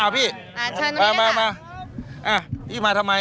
พี่มาทำไม